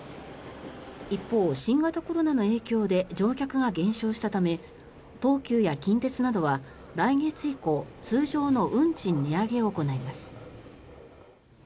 一方、新型コロナの影響で乗客が減少したため東急や近鉄などは、来月以降通常の運賃値上げを行います。